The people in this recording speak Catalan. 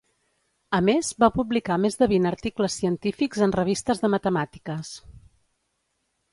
A més, va publicar més de vint articles científics en revistes de matemàtiques.